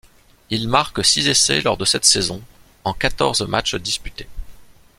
Il marque six essais lors de cette saison, en quatorze matchs disputés.